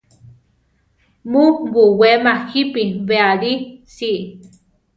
Mu buwéma jípi beʼalí si.